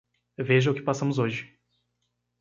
Veja o que passamos hoje.